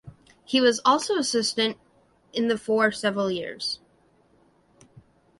He was also assistant in the for several years.